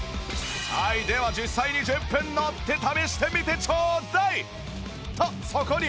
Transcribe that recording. はいでは実際に１０分乗って試してみてちょうだいとそこに